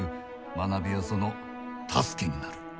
学びはその助けになる。